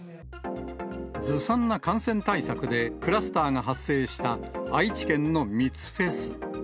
ずさんな感染対策でクラスターが発生した愛知県の密フェス。